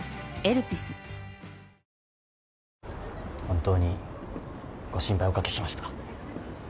本当にご心配おかけしました。